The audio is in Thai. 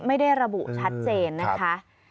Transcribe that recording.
ไม่ได้ระบุชัดเจนนะคะ